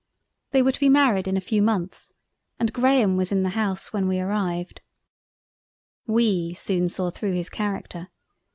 They were to be married in a few months, and Graham, was in the House when we arrived. We soon saw through his character.